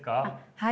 はい。